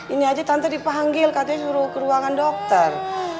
ini aja tante dipanggil katanya suruh ke ruangan dokter